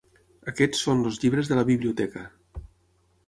Aquests són els llibres de la biblioteca.